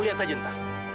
lu lihat aja entah